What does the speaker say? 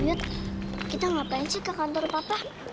wuyut kita ngapain sih ke kantor bapak